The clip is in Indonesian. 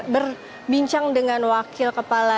berbincang dengan wakil kepala